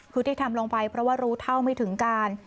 คือที่ทำลงไปเพราะว่ารู้เท่าไม่ถึงการ